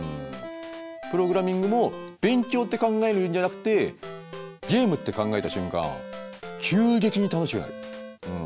プログラミングも勉強って考えるんじゃなくてゲームって考えた瞬間急激に楽しくなる。